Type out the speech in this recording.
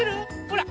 ほら。